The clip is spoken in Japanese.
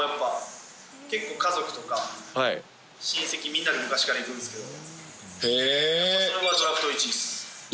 結構家族とか、親戚みんなで昔から行くんですけど。